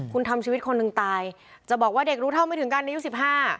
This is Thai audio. คุณทำชีวิตคนหนึ่งตายจะบอกว่าเด็กรู้เท่าไม่ถึงกันอายุสิบห้า